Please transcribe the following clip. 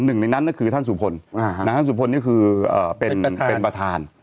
หนึ่งในนั้นก็คือท่านสุพลอ่าฮะท่านสุพลเนี้ยคืออ่าเป็นเป็นประธาน